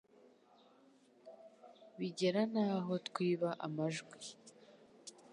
bigera n'aho twiba amajwi